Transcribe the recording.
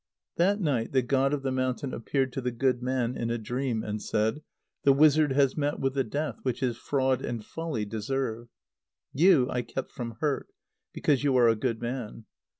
That night the god of the mountain appeared to the good man in a dream, and said: "The wizard has met with the death which his fraud and folly deserve. You I kept from hurt, because you are a good man.